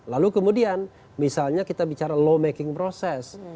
lalu kemudian misalnya kita bicara law making proses